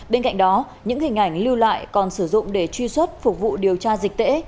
bên cạnh đó những hình ảnh lưu lại còn sử dụng để truy xuất phục vụ điều tra dịch tễ